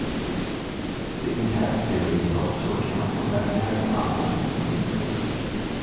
The impact theory would also account for magnetic anomalies on the moon.